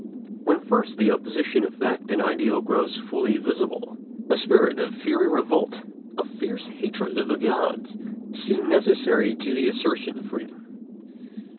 When first the opposition of fact and ideal grows fully visible, a spirit of fiery revolt, of fierce hatred of the gods, seems necessary to the assertion of freedom.